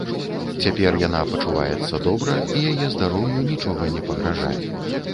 Цяпер яна пачуваецца добра, і яе здароўю нічога не пагражае.